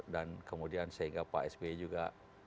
dan kemudian sehingga pak asb juga